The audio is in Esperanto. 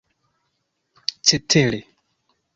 cetere